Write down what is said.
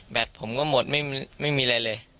ผมก็หมดไม่มีอะไรเลย